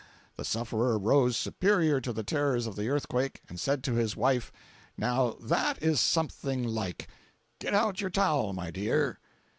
The sufferer rose superior to the terrors of the earthquake, and said to his wife: "Now that is something like! Get out your towel my dear!"